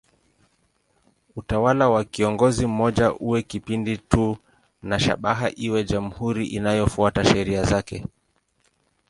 Utawala wa kiongozi mmoja uwe kipindi tu na shabaha iwe jamhuri inayofuata sheria zake.